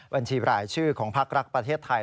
บัญชีหลายชื่อของพรรคประเทศไทย